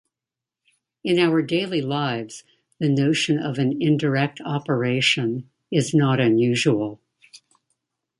In our daily lives the notion of an "indirect operation" is not unusual.